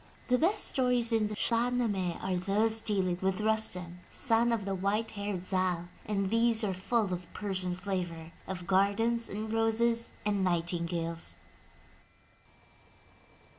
The best stories in the Shah Nameh are those dealing with Rustem, son of the white haired Zal, and these are full of Persian flavor — of gardens and roses and nightingales.